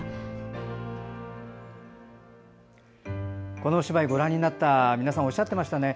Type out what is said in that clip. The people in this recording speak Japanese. このお芝居ご覧になった皆さんもおっしゃってましたね。